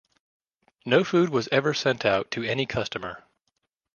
No food was ever sent out to any customer.